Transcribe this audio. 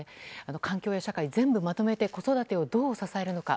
環境や社会、全部まとめて子育てをどう支えるのか。